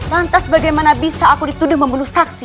lantas bagaimana bisa aku dituduh membunuh saksi